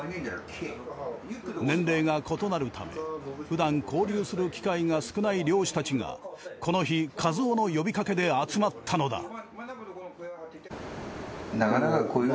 年齢が異なるためふだん交流する機会が少ない漁師たちがこの日一夫の呼びかけで集まったのだ。